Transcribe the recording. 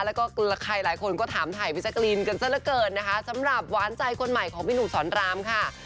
แล้วใครพี่หลายคนก็ถามถ่ายพิชากรีนเจอที่ว้านใจของพี่หนุมสอนรามค่ะ